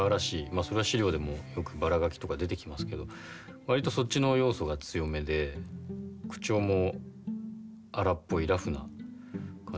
あそれは史料でもよくバラガキとか出てきますけど割とそっちの要素が強めで口調も荒っぽいラフな感じの人になってるんじゃないですかね。